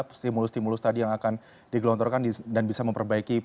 atau stimulus stimulus tadi yang akan digelontorkan dan bisa memperbaiki